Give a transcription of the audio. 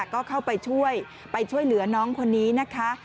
ก็เข้าไปช่วยไปช่วยเหลือน้องคนนี้นะคะ